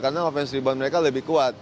karena offense rebound mereka lebih kuat